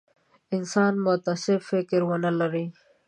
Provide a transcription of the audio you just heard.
انسان متعصب فکر ونه لري.